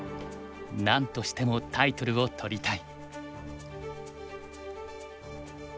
なんとしてもタイトルを取りたい。